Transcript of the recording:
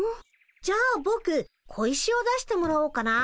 じゃあぼく小石を出してもらおうかな。